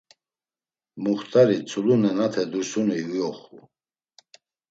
Muxt̆ari tzulu nenate Dursuni uyoxu.